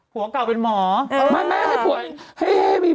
หัวเก่าเป็นหมอ